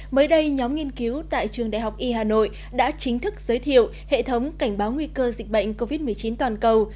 mới đây nhóm nghiên cứu tại trường đại học y hà nội đã chính thức giới thiệu hệ thống cảnh báo nguy cơ dịch bệnh covid một mươi chín toàn cầu